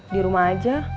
di rumah aja